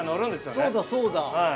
◆そうだそうだ。